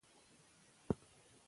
ایا دا اثر ګټور دی؟